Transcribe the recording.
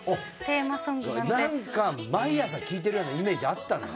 何か毎朝聴いてるイメージあったんだよ。